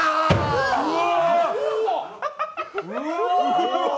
うわ！